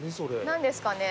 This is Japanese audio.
何ですかね。